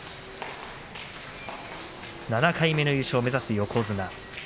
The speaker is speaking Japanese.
７回目の優勝を目指す横綱。